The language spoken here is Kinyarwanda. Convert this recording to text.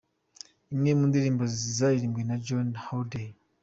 Imwe mu ndirimbo zaririmbwe na Johnny Hallday.